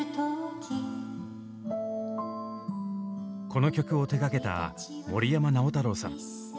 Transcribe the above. この曲を手がけた森山直太朗さん。